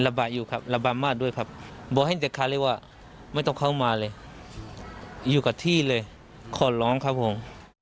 บายอยู่ครับระบามมากด้วยครับบอกให้เด็ดขาดเลยว่าไม่ต้องเข้ามาเลยอยู่กับที่เลยขอร้องครับผม